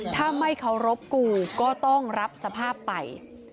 ถ้าไม่เคารพกูก็ต้องรับสภาพไป